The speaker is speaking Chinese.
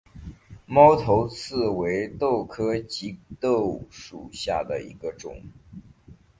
猫头刺为豆科棘豆属下的一个种。